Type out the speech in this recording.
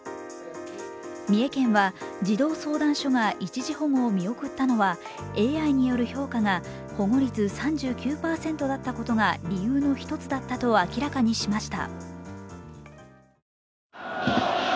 三重県は児童相談所が一時保護を見送ったのは、ＡＩによる評価が保護率３９％だったことが理由の一つだったと明らかにしました。